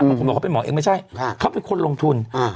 ผมบอกเขาเป็นหมอเองไม่ใช่ครับเขาเป็นคนลงทุนอ่า